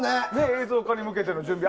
映像化に向けての準備。